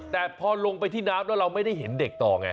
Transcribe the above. แต่พอลงไปที่น้ำแล้วเราไม่ได้เห็นเด็กต่อไง